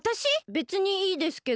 べつにいいですけど。